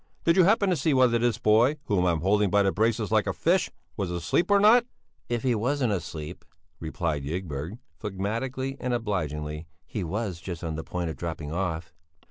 Did you happen to see whether this boy, whom I'm holding by the braces like a fish, was asleep or not?" "If he wasn't asleep," replied Ygberg, phlegmatically and obligingly, "he was just on the point of dropping off."